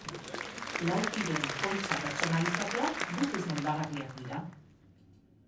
Laukyren poltsa pertsonalizatuak guztiz moldagarriak dira.